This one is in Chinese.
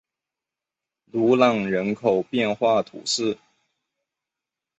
努朗人口变化图示